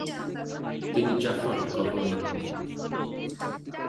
তিনি জাফার গভর্নর হন।